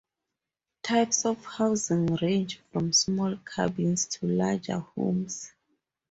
Types of housing range from small cabins to larger homes.